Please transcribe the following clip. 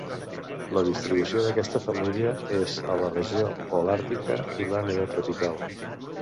La distribució d'aquesta família és a la regió holàrtica i la neotropical.